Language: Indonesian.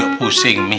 udah pusing mih